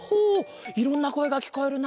いろんなこえがきこえるな。